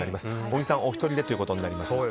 小木さん、お一人でということになりますが。